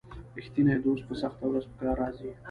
رښتینی دوست په سخته ورځ په کار راځي.